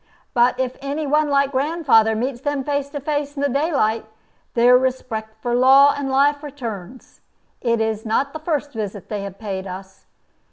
But if any one like grandfather meets them face to face in the daylight, their respect for law and life returns. It is not the first visit they have paid us.